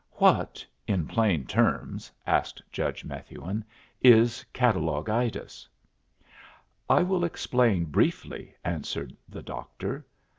"What, in plain terms," asked Judge Methuen, "is catalogitis?" "I will explain briefly," answered the doctor.